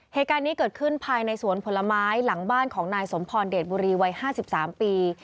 เหตุการณ์นี้เกิดขึ้นภายในสวนผลไม้หลังบ้านของนายสมพรเดชบุรีวัย๕๓ปี